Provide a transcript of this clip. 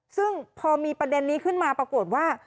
ซึ่งพอมีประเด็นนี้ขึ้นมาปรากฏว่า